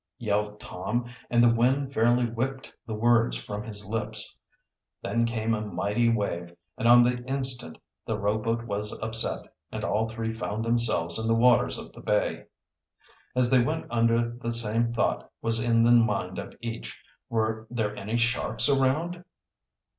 yelled Tom, and the wind fairly whipped the words from his lips. Then came a mighty wave, and on the instant the rowboat was upset, and all three found themselves in the waters of the bay. As they went under the same thought was in the mind of each: Were there any sharks around?